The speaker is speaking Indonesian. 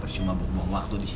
cuma bukti waktu disini